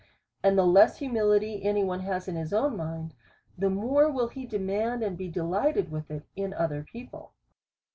And the less humility any one has in his own mind, the more will he demand, and be de lighted with it in other people.